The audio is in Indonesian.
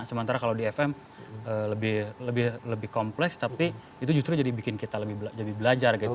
sementara kalau di fm lebih kompleks tapi itu justru jadi bikin kita lebih belajar gitu